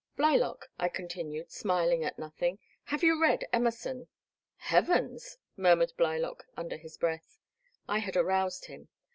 "Blylock," I continued, smiling at nothing, "have you read Emerson ?" "Heavens!" murmured Blylock under his breath. I had aroused him.